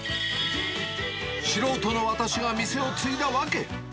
素人の私が店を継いだワケ。